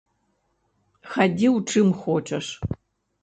Хадзі ў чым хочаш!